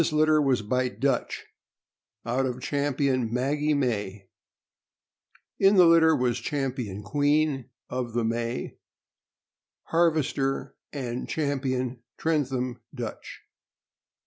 This litter was by Dutch, out of Champion Maggie May. In the litter was Champion Queen of the May, Harvester, and Champion Trentham Dutch.